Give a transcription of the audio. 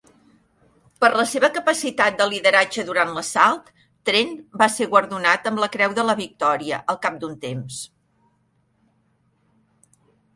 Per la seva capacitat de lideratge durant l'assalt, Trent va ser guardonat amb la Creu de la Victòria al cap d'un temps.